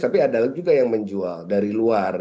tapi ada juga yang menjual dari luar